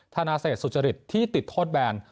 ธนาเศษสุจริตที่ติดโทษแบน